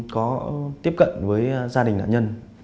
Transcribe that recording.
có tiếp cận với gia đình nạn nhân